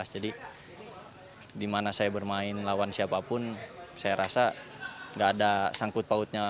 jadi di mana saya bermain lawan siapapun saya rasa tidak ada sangkut pautnya